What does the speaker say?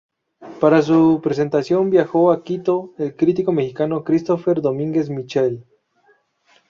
Para su presentación viajó a Quito el crítico mexicano Christopher Domínguez Michael.